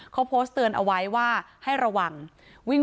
เขาโพสต์เตือนเอาไว้ว่าให้ระวังวิ่ง